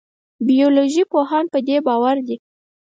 بیولوژي پوهان په دې باور دي.